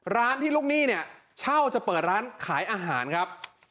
ร้านที่ลูกหนี้เนี่ยเช่าจะเปิดร้านขายอาหารครับ